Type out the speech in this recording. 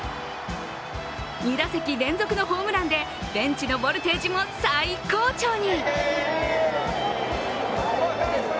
２打席連続のホームランでベンチのボルテージも最高潮に。